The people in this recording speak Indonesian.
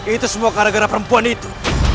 itu semua karena karena perempuan itu